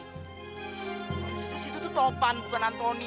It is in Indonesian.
kalo jatuh cinta tuh topan bukan antoni